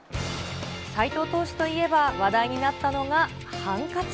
斎藤投手といえば、話題になったのがハンカチ。